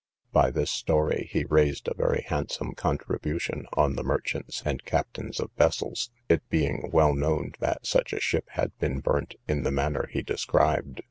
By this story he raised a very handsome contribution on the merchants and captains of vessels, it being well known that such a ship had been burnt in the manner he described.